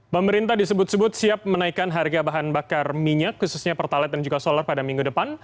pemerintah disebut sebut siap menaikkan harga bahan bakar minyak khususnya pertalet dan juga solar pada minggu depan